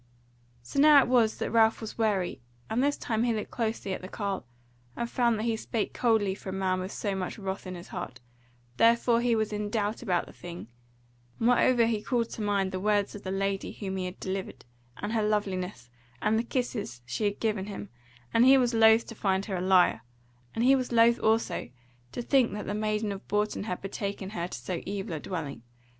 Now so it was that Ralph was wary; and this time he looked closely at the carle, and found that he spake coldly for a man with so much wrath in his heart; therefore he was in doubt about the thing; moreover he called to mind the words of the lady whom he had delivered, and her loveliness, and the kisses she had given him, and he was loth to find her a liar; and he was loth also to think that the maiden of Bourton had betaken her to so evil a dwelling.